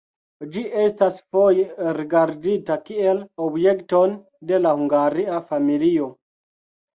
Ĝi estas foje rigardita kiel objekton de la Hungaria familio.